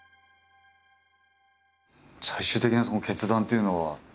最終的なその決断っていうのは？